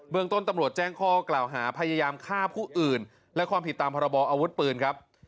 เมืองต้นตำรวจแจ้งข้อกล่าวหาพยายามฆ่าผู้อื่นและความผิดตามพรบออาวุธปืนครับ